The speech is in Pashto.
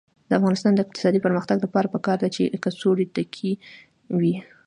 د افغانستان د اقتصادي پرمختګ لپاره پکار ده چې کڅوړې تکې وي.